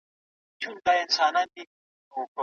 دا زېرمې د خلکو د تفریح ځایونه هم برابروي.